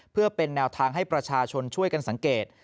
เพื่อเป็นแนวทางให้ประชาชนช่วยกันสังเกต